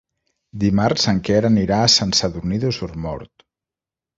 Dimarts en Quer anirà a Sant Sadurní d'Osormort.